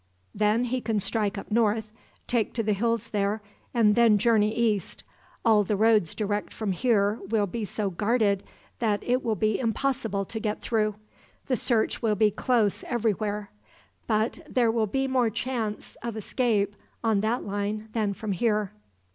Then he can strike up north, take to the hills there, and then journey east. All the roads direct from here will be so guarded that it will be impossible to get through. The search will be close everywhere; but there will be more chance of escape, on that line, than from here.'